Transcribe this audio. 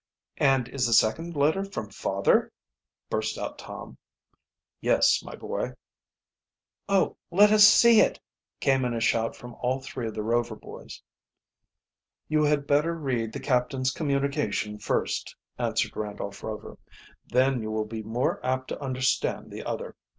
"And is the second letter from father?" burst out Tom. "Yes, my boy." "Oh, let us see it!" came in a shout from all three of the Rover boys. "You had better read the captain's communication first," answered Randolph Rover. "Then you will be more apt to understand the other.